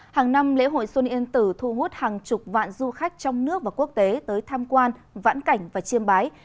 hàng năm lễ hội xuân yên tử thu hút hàng chục vạn du khách trong nước và quốc tế tới tham quan vãn cảnh và chiêm bái